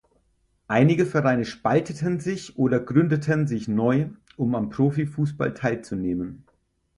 Einige Vereine spalteten sich oder gründeten sich neu, um am Profifußball teilzunehmen.